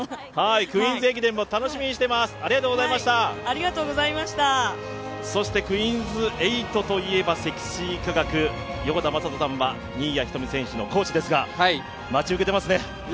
クイーンズ駅伝も楽しみにしてます、ありがとうございましたそしてクイーンズ８といえば積水化学横田真人さんは横田真人さんは新谷仁美さんのコーチですが、待ち受けてますね。